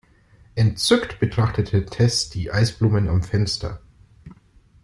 Entzückt betrachtete Tess die Eisblumen am Fenster.